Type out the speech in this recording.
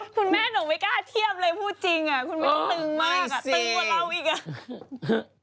คุณแม่หนูไม่กล้าเทียบเลยพูดจริงอ่ะคุณแม่ต้องตึงมากอ่ะตึงกว่าเราอีกอ่ะ